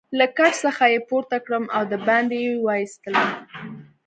له کټ څخه يې پورته کړم او دباندې يې وایستلم.